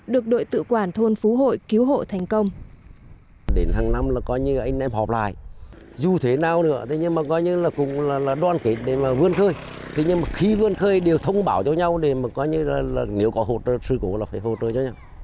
được đội tự quản thôn phú hội cứu hộ thành công